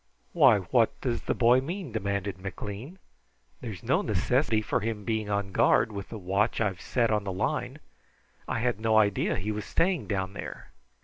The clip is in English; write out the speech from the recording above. "Why, what does the boy mean?" demanded McLean. "There's no necessity for him being on guard, with the watch I've set on the line. I had no idea he was staying down there."